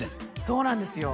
そうなんですよ